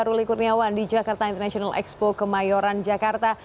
ruli kurniawan di jakarta international expo kemayoran jakarta